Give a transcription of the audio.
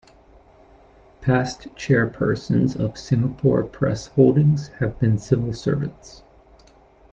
Past chairpersons of Singapore Press Holdings have been civil servants.